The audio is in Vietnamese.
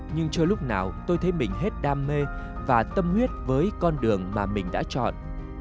nhưng chưa lúc nào tôi thấy mình hết đam mê và tâm huyết với con đường mà mình đã chọn